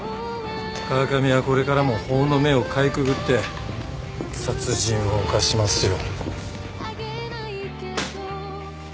川上はこれからも法の目をかいくぐって殺人を犯しますよ。